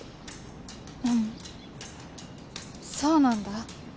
うんそうなんだ